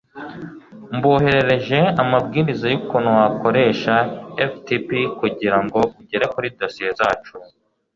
Mboherereje amabwiriza yukuntu wakoresha FTP kugirango ugere kuri dosiye zacu